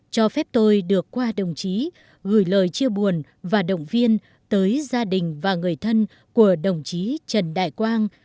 cho phép tôi được qua đồng chí gửi lời chia buồn và động viên tới gia đình và người thân của đồng chí trần đại quang